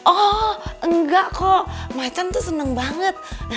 oh engga kok ma can tuh seneng banget